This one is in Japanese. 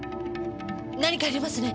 何かありますね。